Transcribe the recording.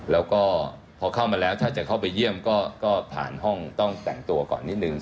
แล้วก็พอเข้ามาแล้วถ้าจะเข้าไปเยี่ยมก็ผ่านห้องต้องแต่งตัวก่อนนิดนึง